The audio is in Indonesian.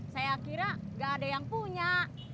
saya kira gak ada yang punya